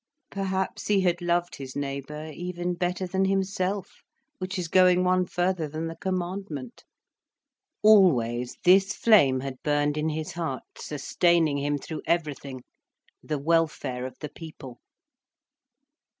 Perhaps he had loved his neighbour even better than himself—which is going one further than the commandment. Always, this flame had burned in his heart, sustaining him through everything, the welfare of the people.